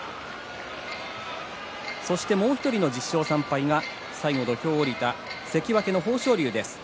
そして、もう１人の１０勝３敗が最後に土俵を下りた関脇の豊昇龍です。